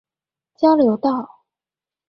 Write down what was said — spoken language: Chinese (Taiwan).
交流道